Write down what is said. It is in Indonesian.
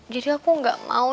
jadi aku gak mau